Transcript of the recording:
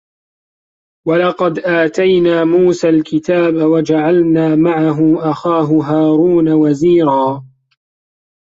وَلَقَد آتَينا موسَى الكِتابَ وَجَعَلنا مَعَهُ أَخاهُ هارونَ وَزيرًا